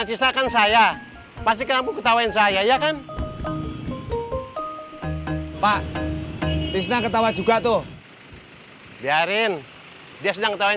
cina kan saya pasti kamu ketawain saya ya kan pak isna ketawa juga tuh biarin dia sedang ketawain